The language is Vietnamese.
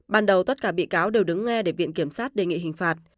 ban đầu tất cả bị cáo đều đứng nghe để viện kiểm sát đề nghị hình phạt